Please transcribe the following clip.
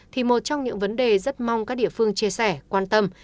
thì một trong những vấn đề rất mong các địa phương chia sẻ quan tâm